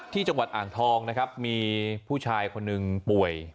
ที่จังหวัดอ่างทองนะครับมีผู้ชายคนหนึ่งป่วย